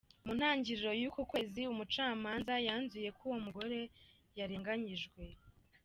Mu ntangiriro y'uku kwezi, umucamanza yanzuye ko uwo mugore yarenganyijwe.